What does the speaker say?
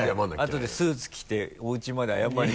あとでスーツ着ておうちまで謝りに。